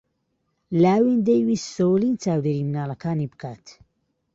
لاوین دەیویست سۆلین چاودێریی منداڵەکانی بکات.